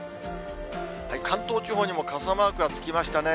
関東地方にも傘マークが付きましたね。